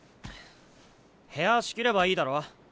部屋仕切ればいいだろ。